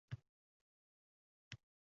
Kelinoying onang bilan urishmayaptimi